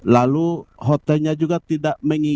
lalu hotelnya juga tidak mengingin